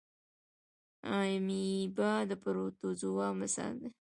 امیبا د پروټوزوا مثال دی